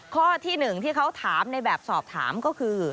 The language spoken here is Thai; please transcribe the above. ข้อที่๑ที่เขาถามในแบบสอบถามก็คือ